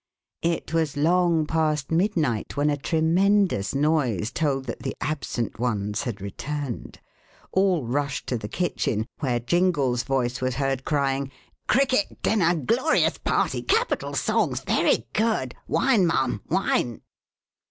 It was long past midnight when a tremendous noise told that the absent ones had returned. All rushed to the kitchen, where Jingle's voice was heard crying: "Cricket dinner glorious party capital songs very good wine ma'am wine!"